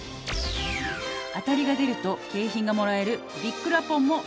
「当たりが出ると景品がもらえる」